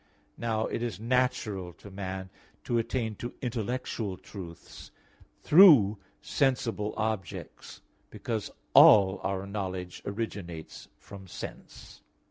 Now it is natural to man to attain to intellectual truths through sensible objects, because all our knowledge originates from sense.